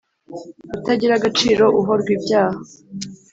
utagira agaciro uhorwa ibyaha